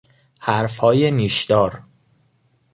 حرفهای نیشدار